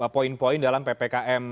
poin poin dalam ppkm